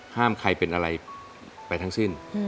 ห้ามใครเป็นอะไรไปทั้งสิ้น